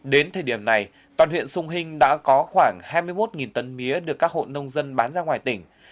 đến thời điểm này toàn huyện sông hinh đã có khoảng hai mươi một tấn mía được các hộ nông dân bán ra ngoài tỉnh